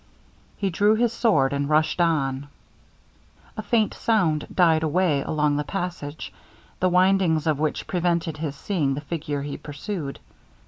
He drew his sword and rushed on. A faint sound died away along the passage, the windings of which prevented his seeing the figure he pursued.